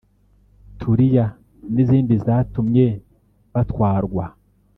“Tulia” n’izindi zatumye batwarwa